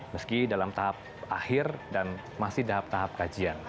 meski dalam tahap akhir dan masih tahap tahap kajian